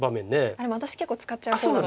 あっでも私結構使っちゃう方なんで。